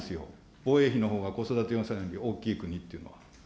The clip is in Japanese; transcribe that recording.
防衛費のほうが子育て予算より大きい国というのは。